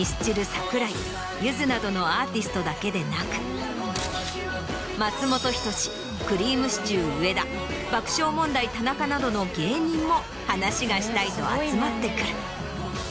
・桜井ゆずなどのアーティストだけでなく松本人志くりぃむしちゅー・上田爆笑問題・田中などの芸人も話がしたいと集まってくる。